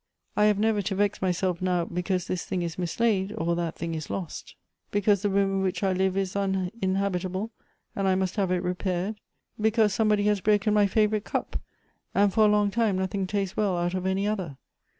I have never to vex myself now, because this thing is mislaid, or that thing is lost ; Elective Affinities. 249 because the room in wliich I live is uninhabitable, and I must have it repaired ; because somebody has broken my favorite cup, and for a long time nothing tastes well out of any other.